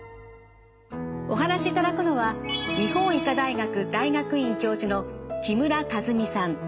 お話しいただくのは日本医科大学大学院教授の木村和美さん。